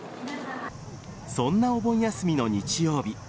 そんなお盆休みの日曜日